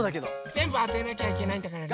ぜんぶあてなきゃいけないんだからね。